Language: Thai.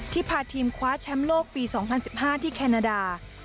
พาทีมคว้าแชมป์โลกปี๒๐๑๕ที่แคนาดา